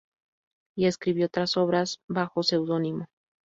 Y escribió otras obras, bajo seudónimo.